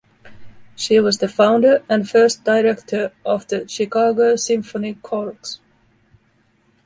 She was the founder and first director of the Chicago Symphony Chorus.